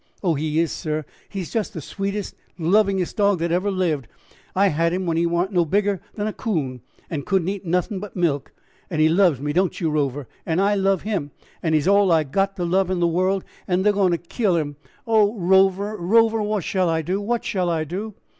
"Oh, he is, sir; he is just the sweetest, lovingest dog that ever lived. I had him when he wa'n't no bigger than a coon, and couldn't eat nothin' but milk, and he loves me, don't you, Rover? and I love him, and he's all I've got to love in the world, and they're goin' to kill him. Oh, Rover, Rover, what shall I do? what shall I do?"